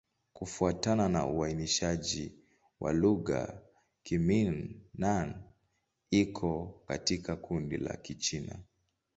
Kufuatana na uainishaji wa lugha, Kimin-Nan iko katika kundi la Kichina.